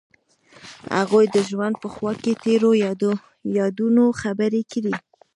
هغوی د ژوند په خوا کې تیرو یادونو خبرې کړې.